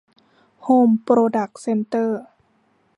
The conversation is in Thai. โฮม โปรดักส์ เซ็นเตอร์